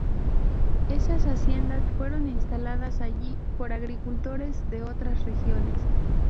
Esas haciendas fueron instaladas allí por agricultores de otras regiones.